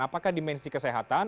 apakah dimensi kesehatan